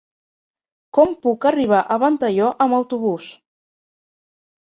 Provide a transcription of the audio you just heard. Com puc arribar a Ventalló amb autobús?